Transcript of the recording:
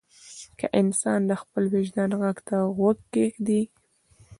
که انسان د خپل وجدان غږ ته غوږ کېږدي.